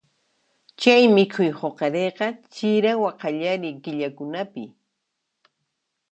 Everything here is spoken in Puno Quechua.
Chay mikhuy huqariyqa chirawa qallariy killakunapi.